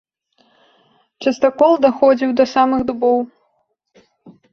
Частакол даходзіў да самых дубоў.